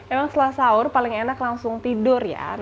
emang setelah sahur paling enak langsung tidur ya